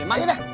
emang ya udah